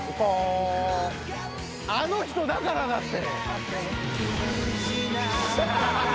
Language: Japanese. あの人だからだって！